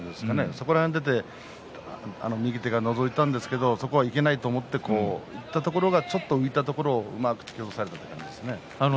そこで右手がのぞいたんですけどそこはいけないと思っていたところがちょっと浮いたところを押されたという感じですね。